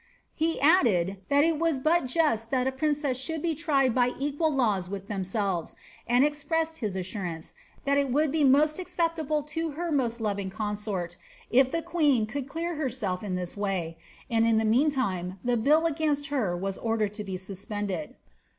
He addedi ^ that it was but just that a princess should be tried by equal laws with themselves, and expressed his assurance, that it would be most accqil able to her most loving consort, if the queen could clear herself in thii way,'' and in the meantime the bill against her was ordered to be sus pended.'